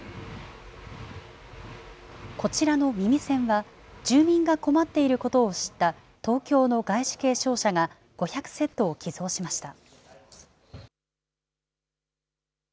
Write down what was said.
こちらの耳栓は、住民が困っていることを知った東京の外資系商社が、５００セットを寄贈しました。